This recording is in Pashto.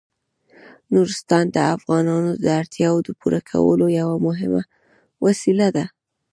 نورستان د افغانانو د اړتیاوو د پوره کولو یوه مهمه وسیله ده.